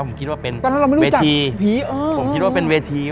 ผมคิดว่าเป็นเวที